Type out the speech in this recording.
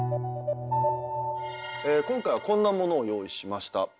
今回はこんなものを用意しました。